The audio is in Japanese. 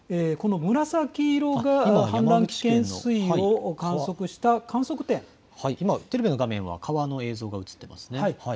紫色が氾濫危険水位を観測した観測点、今、テレビの画面は川の映像が映っています。